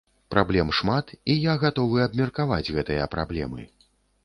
Праблем шмат, і я гатовы абмеркаваць гэтыя праблемы.